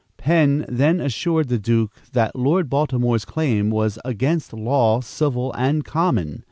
Penn then assured the Duke that Lord Baltimore's claim was "against law, civil and common."